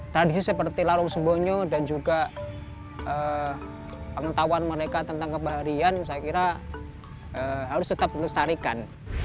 tradisi seperti lalong sebonyo dan juga pengetahuan mereka tentang kebaharian saya kira harus tetap dilestarikan